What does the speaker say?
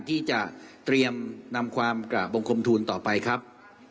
ที่จะเตรียมนำความกราบบังคมทูลต่อไปครับ